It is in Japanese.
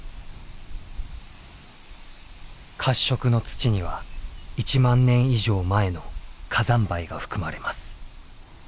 褐色の土には１万年以上前の火山灰が含まれます。